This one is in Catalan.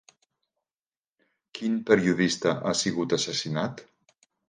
Quin periodista ha sigut assassinat?